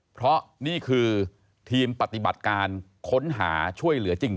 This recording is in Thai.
เพราะนี่คือทีมปฏิบัติการค้นหาช่วยเหลือจริง